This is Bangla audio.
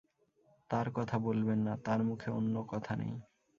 তাঁর কথা বলবেন না– তাঁর মুখে অন্য কথা নেই।